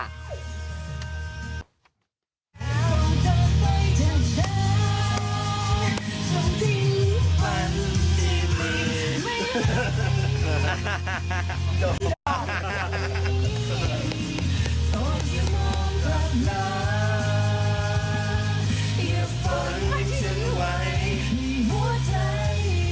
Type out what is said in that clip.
อย่าฟังฉันไว้ในหัวใจ